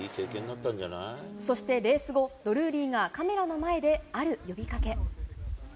そして、レース後、ドルーリーがカメラの前で、ある呼びかけ。